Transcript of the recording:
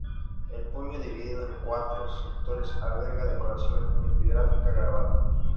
El puño, dividido en cuatros sectores, alberga decoración epigráfica grabada.